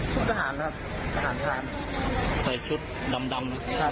ชุดสหารครับสหารทานใส่ชุดดำดำครับ